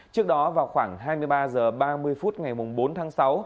trước đó vào khoảng hai mươi ba h ba mươi phút ngày bốn tháng sáu